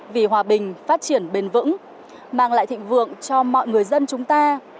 vì hòa bình phát triển bền vững mang lại thịnh vượng cho mọi người dân chúng ta